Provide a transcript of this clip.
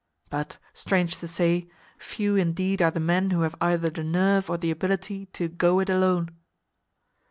But, strange to say, few indeed are the men who have either the nerve or the ability to "go it alone."